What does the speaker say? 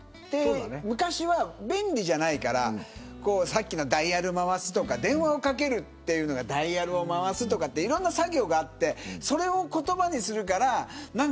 昔は便利じゃないからさっきのダイヤル回すとか電話をかけるのがダイヤルを回すとかいろんな作業があってそれを言葉にするから。